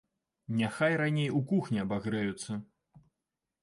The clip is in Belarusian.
Няхай раней у кухні абагрэюцца.